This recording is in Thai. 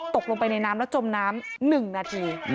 ตกลงไปในน้ำแล้วจมน้ำ๑นาที